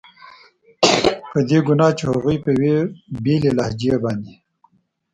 په دې ګناه چې هغوی په یوې بېلې لهجې باندې.